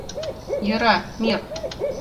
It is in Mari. Йӧра, мир!